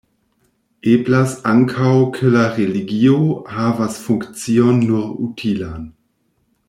Eblas ankaŭ ke la religio havas funkcion nur utilan.